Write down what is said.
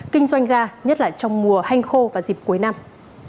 kinh doanh ga nhất là trong mùa hanh khô và dịp cuối năm